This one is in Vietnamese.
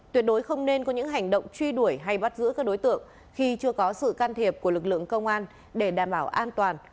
tuyệt đối không nên có những hành động truy đuổi hay bắt giữ các đối tượng khi chưa có sự can thiệp của lực lượng công an để đảm bảo an toàn